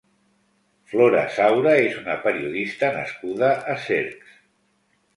Flora Saura és una periodista nascuda a Cercs.